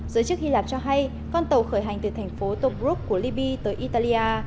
giới chức hy lạp cho hay con tàu khởi hành từ thành phố tobruk của libya tới italia